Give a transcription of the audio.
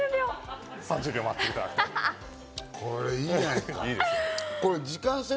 ３０秒待っていただく。